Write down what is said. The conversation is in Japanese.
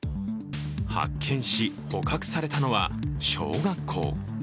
発見し、捕獲されたのは小学校。